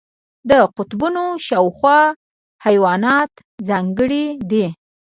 د قطبونو شاوخوا حیوانات ځانګړي دي.